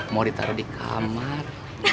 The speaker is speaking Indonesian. mau ditaruh di kamar